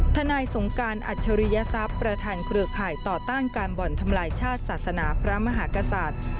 นายสงการอัจฉริยทรัพย์ประธานเครือข่ายต่อต้านการบ่อนทำลายชาติศาสนาพระมหากษัตริย์